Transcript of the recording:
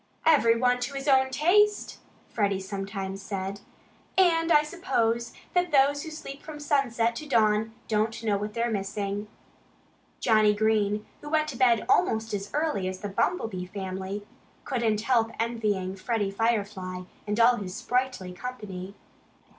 "Everyone to his own taste!" Freddie sometimes said. "And I suppose that those who sleep from sunset to dawn don't know what they're missing." Johnnie Green, who went to bed almost as early as the Bumblebee family, couldn't help envying Freddie Firefly and all his sprightly company.